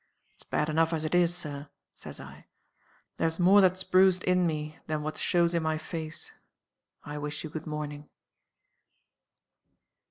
It's bad enough as it is, Sir,' says I. 'There's more that's bruised in me than what shows in my face. I wish you good morning.